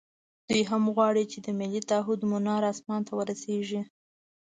دوی هم غواړي چې د ملي تعهُد منار اسمان ته ورسېږي.